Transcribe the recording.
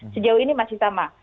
sejauh ini masih sama